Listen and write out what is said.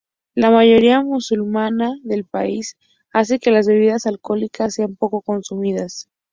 La mayoría musulmana del país hace que las bebidas alcohólicas sean poco consumidas.